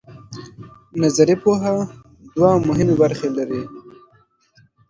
نظري پوهه دوه مهمې برخې لري.